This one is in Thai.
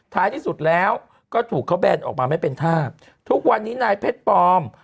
ท้ายที่สุดแล้วก็ถูกเขาแบนออกมาไม่เป็นภาพทุกวันนี้นายเพชรปลอม